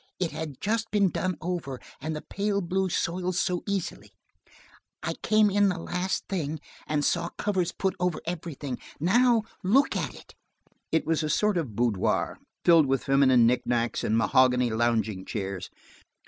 It had just been done over, and the pale blue soils so easily. I came in the last thing, and saw covers put over everything. Now look at it!" It was a sort of boudoir, filled with feminine knickknacks and mahogany lounging chairs.